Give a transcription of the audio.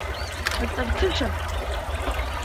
Аҵарҭыша?!